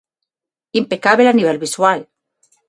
Impecábel a nivel visual.